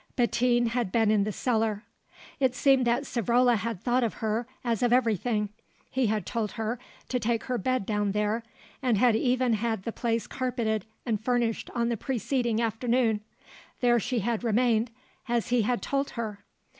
Bettine had been in the cellar. It seemed that Savrola had thought of her as of everything; he had told her to take her bed down there, and had even had the place carpeted and furnished on the preceding afternoon. There she had remained as he had told her.